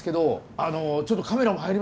あのちょっとカメラも入りますけども。